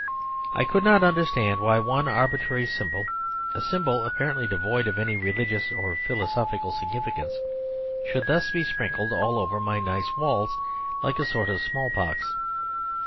I could not understand why one arbitrary symbol (a symbol apparently entirely devoid of any religious or philosophical significance) should thus be sprinkled all over my nice walls like a sort of small pox.